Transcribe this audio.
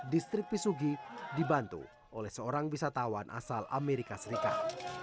distrik pisugi dibantu oleh seorang wisatawan asal amerika serikat